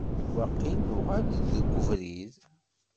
Waqil neɣleḍ deg ubrid.